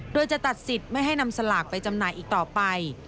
โดยจะตัดสิทธิ์ไม่ให้นำสลากไปจำหน่ายอีกต่อไป